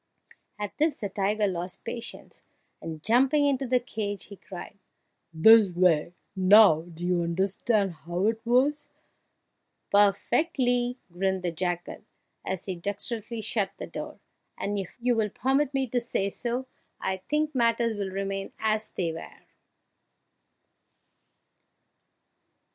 At this the tiger lost patience, and, jumping into the cage, cried, "This way! Now do you understand how it was?" "Perfectly!" grinned the jackal, as he dexterously shut the door, "and if you will permit me to say so, I think matters will remain as they were!"